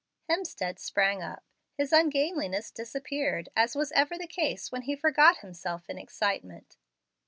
Hemstead sprang up. His ungainliness disappeared, as was ever the case when he forgot himself in excitement.